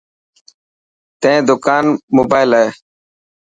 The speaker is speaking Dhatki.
تين دڪان موبائل هي؟